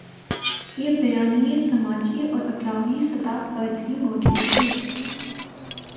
یہ بیانیے سماجی اور ابلاغی سطح پر بھی موجود ہیں۔